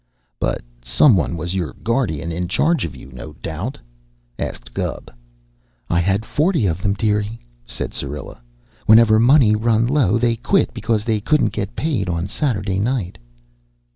"But some one was your guardian in charge of you, no doubt?" asked Gubb. "I had forty of them, dearie," said Syrilla. "Whenever money run low, they quit because they couldn't get paid on Saturday night."